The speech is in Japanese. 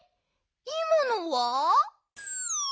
いまのは？